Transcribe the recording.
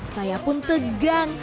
saya pun tegang